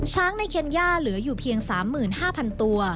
ช้างในเคนย่าเหลืออยู่เพียง๓๕๐๐๐ตัว